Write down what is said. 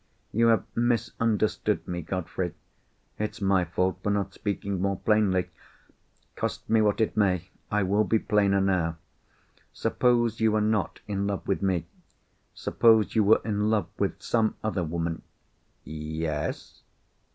You have misunderstood me, Godfrey. It's my fault for not speaking more plainly. Cost me what it may, I will be plainer now. Suppose you were not in love with me? Suppose you were in love with some other woman?" "Yes?"